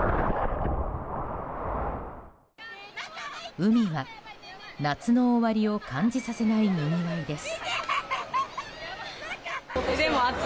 海は夏の終わりを感じさせないにぎわいです。